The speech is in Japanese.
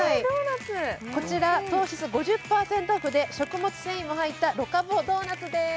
こちら糖質５０％オフで食物繊維も入ったロカボドーナツです